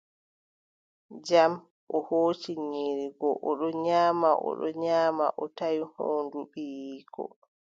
Jam, o hooci nyiiri goo, o ɗon nyaama, o ɗon nyaama, o tawi hoondu ɓiyiiko .